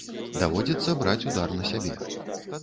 Даводзіцца браць удар на сябе.